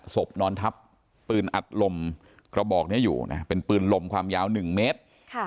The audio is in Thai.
สบนอนทับปืนอัดลมเขาบอกเนี่ยอยู่นะเป็นปืนลมความยาวหนึ่งเมตร